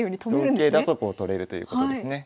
同桂だとこう取れるということですね。